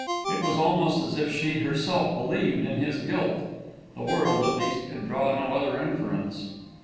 It was almost as if she herself believed in his guilt! The world, at least, could draw no other inference.